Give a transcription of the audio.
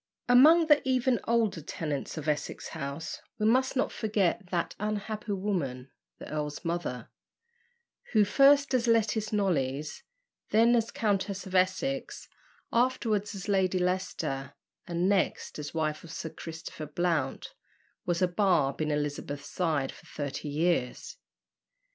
Among the even older tenants of Essex House, we must not forget that unhappy woman, the earl's mother, who, first as Lettice Knollys, then as Countess of Essex, afterwards as Lady Leicester, and next as wife of Sir Christopher Blount, was a barb in Elizabeth's side for thirty years.